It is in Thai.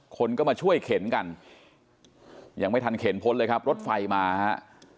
คนก็มาช่วยเข็นกันยังไม่ทันเข็นพ้นเลยครับรถไฟมาฮะ